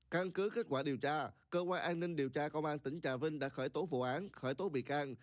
căn cứ kết quả điều tra cơ quan an ninh điều tra công an tỉnh trà vinh đã khởi tố vụ án khởi tố bị can